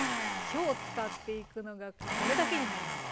今日使っていくのがこれだけになります。